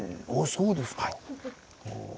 そうですか。